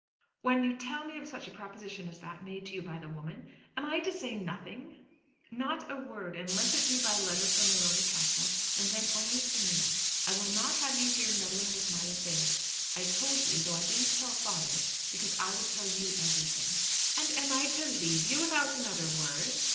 "When you tell me of such a proposition as that made to you by the woman, am I to say nothing?" "Not a word; unless it be by letter from Morony Castle, and then only to me. I will not have you here meddling with my affairs. I told you, though I didn't tell my father, because I would tell you everything." "And I am to leave you, without another word?"